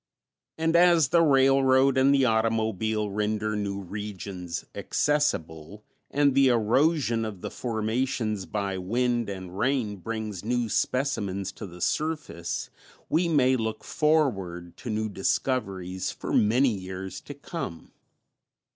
And as the railroad and the automobile render new regions accessible, and the erosion of the formations by wind and rain brings new specimens to the surface, we may look forward to new discoveries for many years to come.